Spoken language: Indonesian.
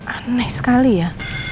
aneh sekali ya